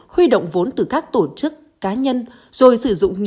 huy động vốn từ các tổ chức